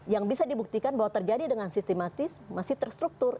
yang bisa dibuktikan bahwa terjadi dengan sistematis masih terstruktur